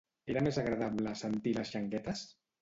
Era més agradable sentir les Xanguetes?